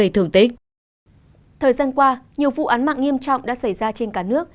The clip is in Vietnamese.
thời gian qua nhiều vụ án mạng nghiêm trọng đã xảy ra trên cả nước